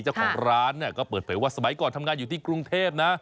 เจ้าของร้านก็เปิดเฟลวัดสมัยก่อนทำงานอยู่ที่กรุงเทพฯ